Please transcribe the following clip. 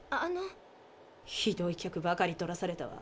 ひどい客ばかり取らされたわ。